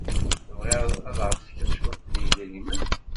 Tebɣiḍ ad ak-fkeɣ cwiṭ n yedrimen?